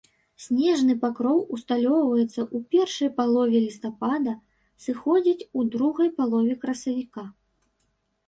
Снежны пакроў усталёўваецца ў першай палове лістапада, сыходзіць у другой палове красавіка.